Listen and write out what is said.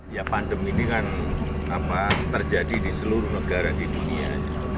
ya pandemi ini kan terjadi di seluruh negara di dunia